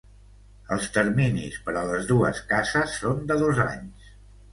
Els terminis per a les dues cases són de dos anys.